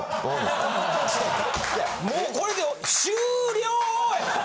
いやもうこれで終了や。